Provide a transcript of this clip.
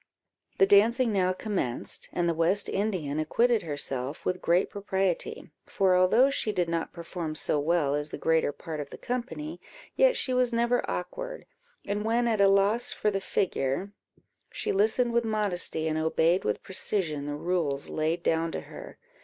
The dancing now commenced, and the West Indian acquitted herself with great propriety; for although she did not perform so well as the greater part of the company, yet she was never awkward; and when at a loss for the figure, she listened with modesty, and obeyed with precision the rules laid down to her.